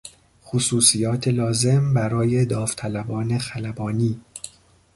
خصوصیات لازم برای داوطلبان خلبانی